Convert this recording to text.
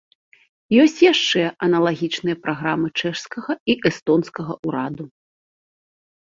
Ёсць яшчэ аналагічныя праграмы чэшскага і эстонскага ўрадаў.